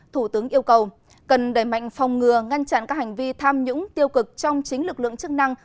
thủ tướng yêu cầu cần đẩy mạnh phòng ngừa ngăn chặn các hành vi tham nhũng tiêu cực trong chính lực lượng chức năng